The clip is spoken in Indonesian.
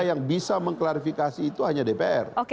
yang bisa mengklarifikasi itu hanya dpr